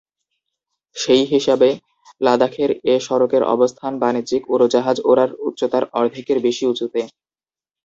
সেই হিসাবে, লাদাখের এ সড়কের অবস্থান বাণিজ্যিক উড়োজাহাজ ওড়ার উচ্চতার অর্ধেকের বেশি উঁচুতে।